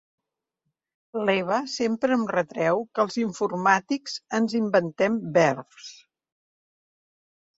L'Eva sempre em retreu que els informàtics ens inventem verbs.